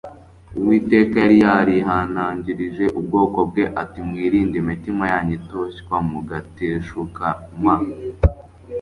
Uwiteka yari yarihanangirije ubwoko bwe ati Mwirinde imitima yanyu itoshywa mugateshuka m